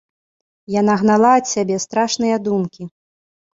Яна гнала ад сябе страшныя думкі.